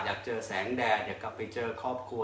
อยากเจอแสงแดดอยากกลับไปเจอครอบครัว